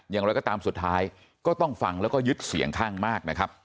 อย่างไรก็ตามสุดท้ายก็ต้องฟังแล้วก็ยึดเสียงข้างมากนะครับ